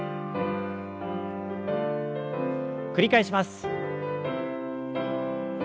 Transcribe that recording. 繰り返します。